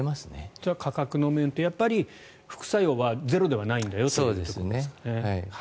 それは価格の面と副作用はゼロではないんだよというところですかね。